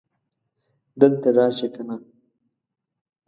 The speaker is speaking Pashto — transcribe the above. دلته راشه کنه